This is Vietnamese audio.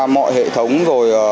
mọi hệ thống rồi